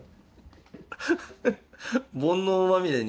「煩悩まみれ」に。